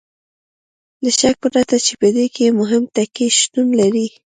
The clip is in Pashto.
له شک پرته چې په دې کې مهم ټکي شتون لري.